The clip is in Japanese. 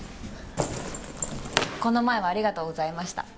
この前はありがとうございました